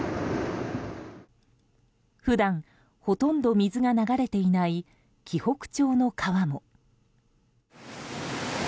普段、ほとんど水が流れていない紀北町の川も。